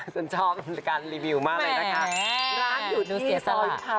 ฉันชอบรายการรีวิวมากเลยนะคะ